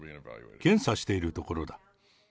検査しているところだ。